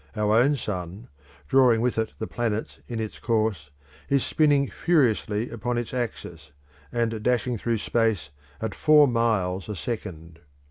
Our own sun, drawing with it the planets in its course, is spinning furiously upon its axis, and dashing through space at four miles a second.